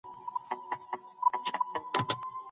بالاخره هغه غم راغی چې په ټول عالم و.